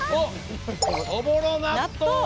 そぼろ納豆を。